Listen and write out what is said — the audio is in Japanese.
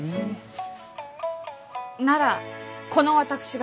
ならこの私が。